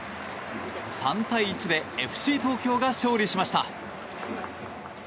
３対１でＦＣ東京が勝利しました。